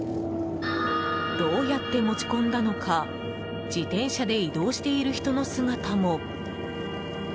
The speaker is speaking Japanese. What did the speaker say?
どうやって持ち込んだのか自転車で移動している人の姿も。